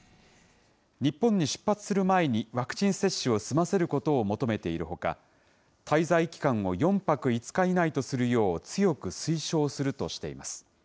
日本に出発する前にワクチン接種を済ませることを求めているほか、滞在期間を４泊５日以内とするよう強く推奨するとしています。